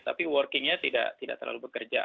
tapi working nya tidak terlalu bekerja